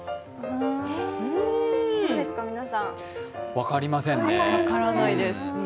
分かりませんね。